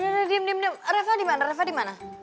udah diem diem reva di mana reva di mana